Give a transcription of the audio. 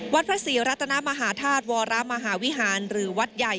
วัดพระศรีรัตนมหาธาตุวรมหาวิหารหรือวัดใหญ่